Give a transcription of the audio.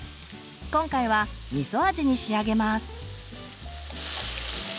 今回はみそ味に仕上げます。